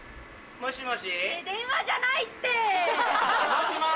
もしもし？